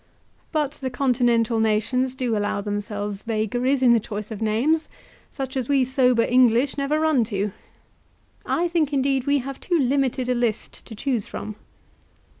But the continental nations do allow themselves vagaries in the choice of names, such as we sober English never run into. I think, indeed, we have too limited a list to choose from.